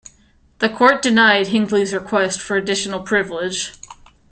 The court denied Hinckley's request for additional privileges.